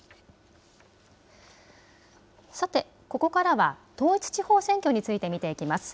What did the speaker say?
さて、ここからは統一地方選挙について見ていきます。